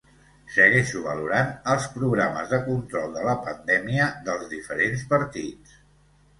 Segueixo valorant els programes de control de la pandèmia dels diferents partits.